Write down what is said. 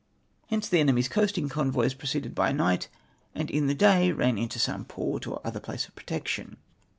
Hence the enemy's coasting convoys proceeded by night, and in the day ran into some port or other place of protection.